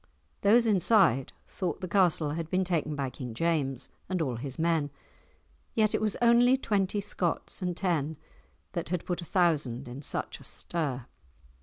Those inside thought the castle had been taken by King James and all his men, yet it was only twenty Scots and ten that had put a thousand in such a stir.